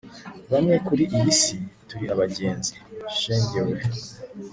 bamwe kuri iyi si turi abagenzi, shenge we